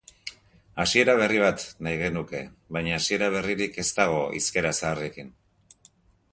Hasiera berri bat nahi genuke, baina hasiera berririk ez dago hizkera zaharrekin.